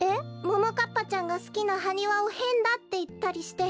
ももかっぱちゃんがすきなハニワをへんだっていったりして。